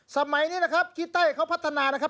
สมัยนี้นะครับขี้ไต้เขาพัฒนานะครับ